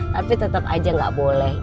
tapi tetap aja nggak boleh